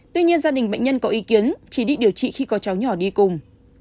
tuy nhiên gia đình bệnh nhân có ý kiến chỉ đi điều trị khi có cháu nhỏ đi cùng